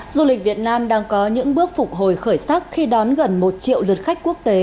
du lịch việt nam đang có những bước phục hồi khởi sắc khi đón gần một triệu lượt khách quốc tế